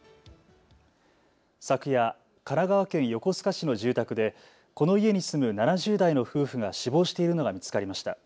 昨夜、神奈川県横須賀市の住宅でこの家に住む７０代の夫婦が死亡しているのが見つかりました。